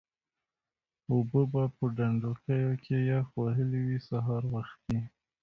اوبه به په ډنډوکیو کې یخ وهلې وې سهار وختي.